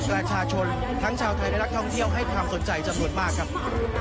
ประชาชนทั้งชาวไทยและนักท่องเที่ยวให้ความสนใจจำนวนมากครับ